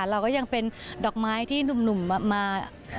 เราก็ยังเป็นดอกไม้ที่หนุ่มมา